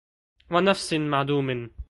وَنَفَسٍ مَعْدُومٍ